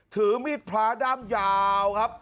ถือมีดพระด้ามยาวครับ